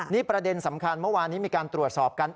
นี่ประเด็นสำคัญเมื่อวานนี้มีการตรวจสอบกัน